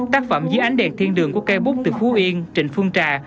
tác phẩm dưới ánh đèn thiên đường của cây bút từ phú yên trịnh phương trà